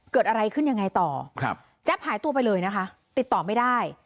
เกิดอะไรขึ้นยังไงต่อครับแจ๊บหายตัวไปเลยนะคะติดต่อไม่ได้